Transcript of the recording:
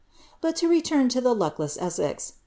But to return to the luckless Essex.